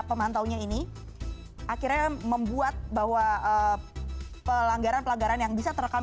pemantaunya ini akhirnya membuat bahwa pelanggaran pelanggaran yang bisa terekam